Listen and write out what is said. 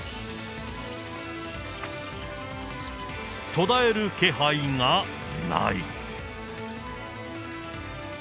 途絶える気配がない。